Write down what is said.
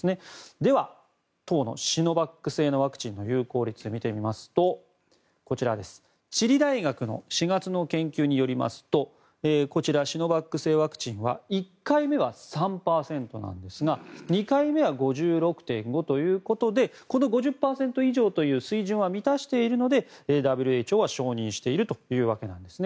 では、当のシノバック製のワクチンの有効性を見てみますとこちら、チリ大学の４月の研究によりますとこちら、シノバック製ワクチンは１回目は３％なんですが２回目は５６．５％ということで５０％以上という水準は満たしているのでＷＨＯは承認しているということです。